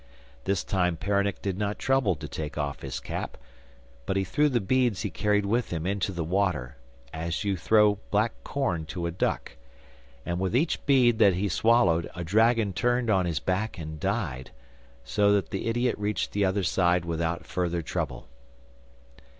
This time Peronnik did not trouble to take off his cap, but he threw the beads he carried with him into the water, as you throw black corn to a duck, and with each bead that he swallowed a dragon turned on his back and died, so that the idiot reached the other side without further trouble.